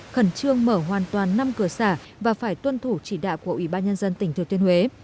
khẩn trương mở hoàn toàn năm cửa xã và phải tuân thủ chỉ đạo của ủy ban nhân dân tỉnh thừa thiên huế